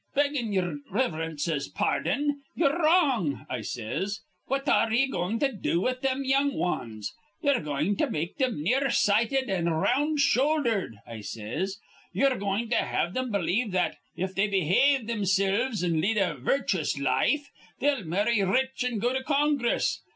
'Beggin' ye'er riv'rince's pardon, ye're wrong,' I says. 'What ar re ye goin' to do with thim young wans? Ye're goin' to make thim near sighted an' round shouldered,' I says. 'Ye're goin' to have thim believe that, if they behave thimsilves an' lead a virchous life, they'll marry rich an' go to Congress.